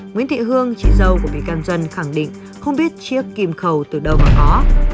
nguyễn thị hương chị dâu của bị can dân khẳng định không biết chiếc kim khẩu từ đâu mà có